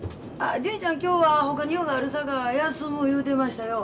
純ちゃん今日はほかに用があるさか休む言うてましたよ。